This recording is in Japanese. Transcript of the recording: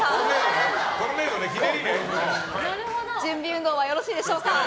準備運動はよろしいでしょうか。